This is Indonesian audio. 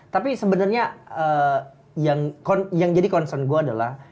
tapi sebenarnya yang jadi concern gue adalah